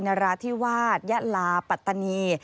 นราธิวาสยะลาปัตตานี